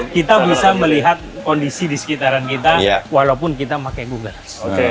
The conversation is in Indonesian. kita bisa melihat kondisi di sekitaran kita walaupun kita pakai google